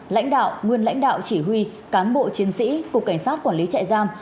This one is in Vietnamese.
lãnh đạo nguyên lãnh đạo chỉ huy cán bộ chiến sĩ cục cảnh sát quản lý trại giam